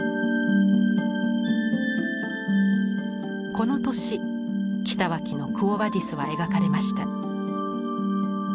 この年北脇の「クォ・ヴァディス」は描かれました。